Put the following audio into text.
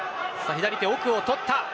左手奥をとった。